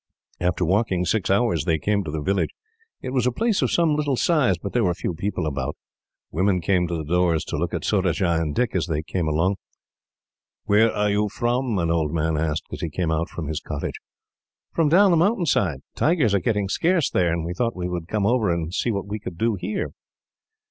After walking for six hours, they came to the village. It was a place of some little size, but there were few people about. Women came to the doors to look at Surajah and Dick as they came along. "Where are you from?" an old man asked, as he came out from his cottage. "From down the mountain side. Tigers are getting scarce there, and we thought we would come over and see what we could do, here."